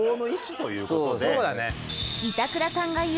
そうだね。